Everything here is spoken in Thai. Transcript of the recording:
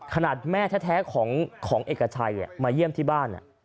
ขนาดแม่แท้ของเอกชัยมาเยี่ยมที่บ้าน